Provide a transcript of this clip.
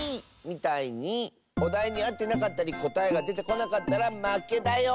みたいにおだいにあってなかったりこたえがでてこなかったらまけだよ。